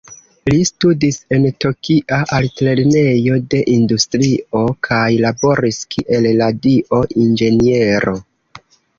Li studis en Tokia altlernejo de industrio, kaj laboris kiel radio-inĝeniero.